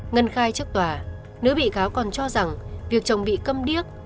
ngân khai trước tòa nữ bị cáo còn cho rằng việc chồng bị cầm điếc